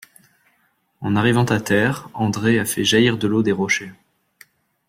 En arrivant à terre, André a fait jaillir de l'eau des rochers.